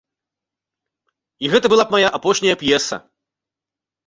І гэта была б мая апошняя п'еса.